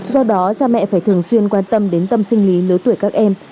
do đó cha mẹ phải thường xuyên quan tâm đến tâm sinh lý lứa tuổi các em